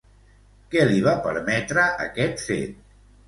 Què li va permetre aquest fet?